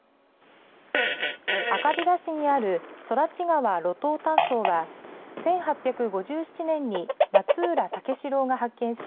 赤平市にある空知川露頭炭層は１８５７年に松浦武四郎が発見し